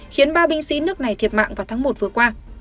khiến ba binh sĩ nước này thiệt mạng vào tháng một vừa qua